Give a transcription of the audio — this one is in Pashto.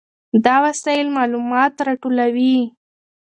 دا وسایل معلومات راټولوي.